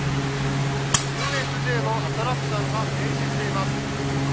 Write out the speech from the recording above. ＵＳＪのアトラクションが停止しています。